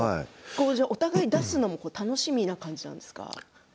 お互い出すのも楽しみな感じですか。